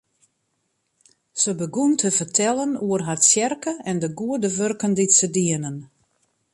Se begûn te fertellen oer har tsjerke en de goede wurken dy't se dienen.